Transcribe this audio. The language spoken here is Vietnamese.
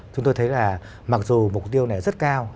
chúng tôi thấy là mặc dù mục tiêu này rất cao